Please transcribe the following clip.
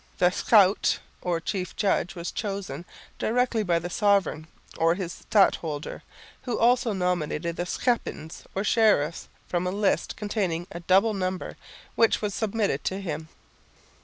The Schout or chief judge was chosen directly by the sovereign or his stadholder, who also nominated the Schepens or sheriffs from a list containing a double number, which was submitted to him.